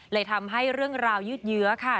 ทำให้เรื่องราวยืดเยื้อค่ะ